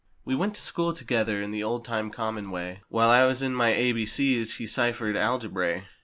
We went to school together in the old time common way; While I was in my "a b c's" he ciphered algebra.